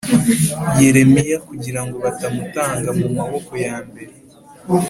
Yeremiya kugira ngo batamutanga mu maboko ya mbere